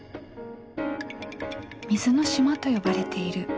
水の島と呼ばれている。